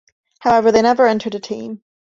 However, they never entered a team.